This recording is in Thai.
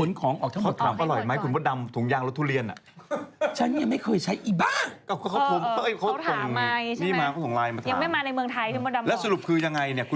คุณใช้คำนี้ไม่ได้เค้าต้องใช้คำว่าเผือก